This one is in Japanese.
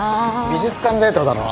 美術館デートだろ？